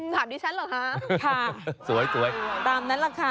ถามดีฉันเหรอคะ